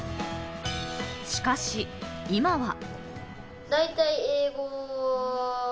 しかし今は。